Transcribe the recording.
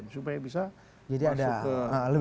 supaya bisa masuk ke